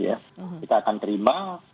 ya kita akan terima